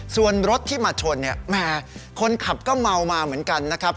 ส่วนรถที่มาชนเนี่ยแหมคนขับก็เมามาเหมือนกันนะครับ